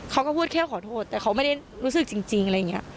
เขาก็พูดแค่ขอโทษแต่เขาไม่ได้รู้สึกจริงอะไรอย่างนี้